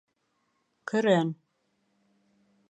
Көрән